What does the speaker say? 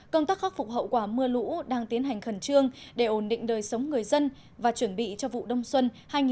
công tác khắc phục hậu quả mưa lũ đang tiến hành khẩn trương để ổn định đời sống người dân và chuẩn bị cho vụ đông xuân hai nghìn một mươi chín hai nghìn hai mươi